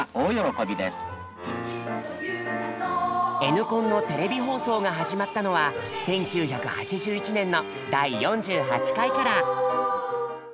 「Ｎコン」のテレビ放送が始まったのは１９８１年の第４８回から。